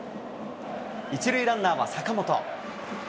１塁ランナーは坂本。